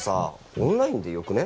オンラインでよくね？